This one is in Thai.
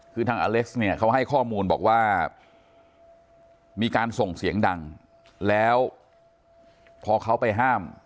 คือทางอเล็กซ์เนี่ยเขาให้ข้อมูลบอกว่ามีการส่งเสียงดังแล้วพอเขาไปห้าม